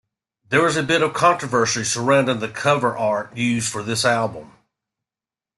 There was a bit of controversy surrounding the cover art used for this album.